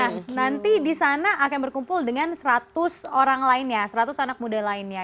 nah nanti di sana akan berkumpul dengan seratus orang lainnya seratus anak muda lainnya